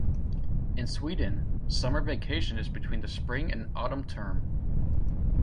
In Sweden, summer vacation is between the spring and autumn term.